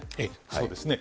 そうですね。